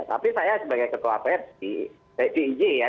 tapi saya sebagai ketua pem di iji ya